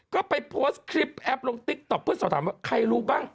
ก็ไปโพสต์คลิปแอปลงติ๊กต๊อกเพื่อสอบถามว่าใครรู้บ้าง